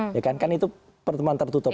ya kan kan itu pertemuan tertutup